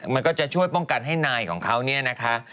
มันก็จะช่วยป้องกันให้นายของเขา